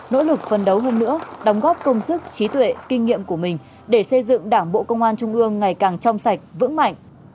nỗ lực phân đấu hơn nữa đóng góp công sức trí tuệ kinh nghiệm của mình để xây dựng đảng bộ công an trung ương ngày càng trong sạch vững mạnh